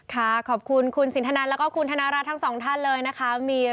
ขอบคุณคุณสินทนันแล้วก็คุณธนรัฐทั้งสองท่านเลยนะคะ